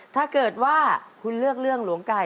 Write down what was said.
ถ้าเกิดว่าคุณเลือกเรื่องหลวงไก่